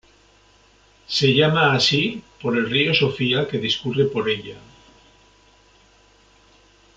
Se llama así por el río Sofia que discurre por ella.